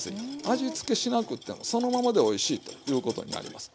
味付けしなくてもそのままでおいしいということになります。